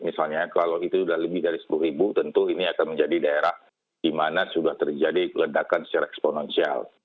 misalnya kalau itu sudah lebih dari sepuluh ribu tentu ini akan menjadi daerah di mana sudah terjadi ledakan secara eksponensial